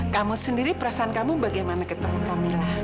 kamu sendiri perasaan kamu bagaimana ketemu kami